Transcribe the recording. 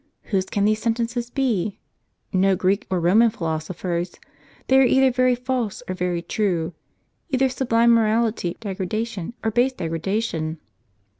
"Whose can these sentences be ? No Greek or Roman philosopher's. They are either very false or very true, either sublime morality or base degradation.